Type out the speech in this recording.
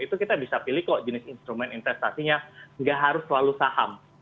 itu kita bisa pilih kok jenis instrumen investasinya nggak harus selalu saham